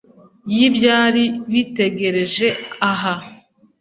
y'ibyari bitegereje aho.